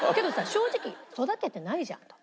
正直育ててないじゃんと。